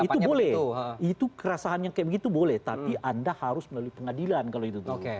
itu boleh itu keresahan yang kayak begitu boleh tapi anda harus melalui pengadilan kalau itu dulu